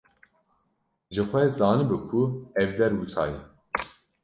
Jixwe zanibû ku ev der wisa ye.